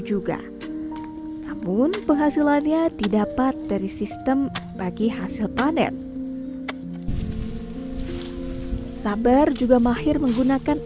juga namun penghasilannya didapat dari sistem bagi hasil panen sabar juga mahir menggunakan